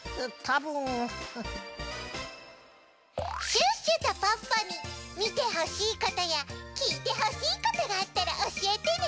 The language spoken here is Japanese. シュッシュとポッポにみてほしいことやきいてほしいことがあったらおしえてね！